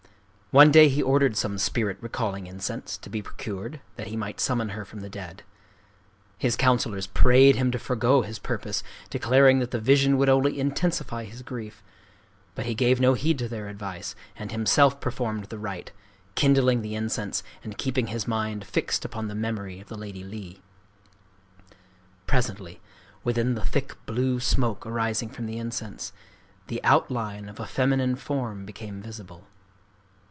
One day he ordered some Spirit Recalling Incense to be procured, that he might summon her from the dead. His counsellors prayed him to forego his purpose, declaring that the vision could only intensify his grief. But he gave no heed to their advice, and himself performed the rite,—kindling the incense, and keeping his mind fixed upon the memory of the Lady Li. Presently, within the thick blue smoke arising from the incense, the outline, of a feminine form became visible.